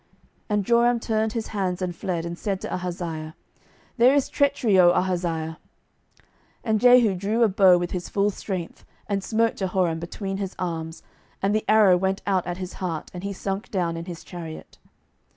12:009:023 And Joram turned his hands, and fled, and said to Ahaziah, There is treachery, O Ahaziah. 12:009:024 And Jehu drew a bow with his full strength, and smote Jehoram between his arms, and the arrow went out at his heart, and he sunk down in his chariot.